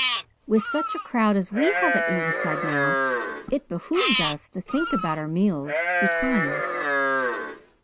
With such a crowd as we have at Ingleside now it behooves us to think about our meals betimes."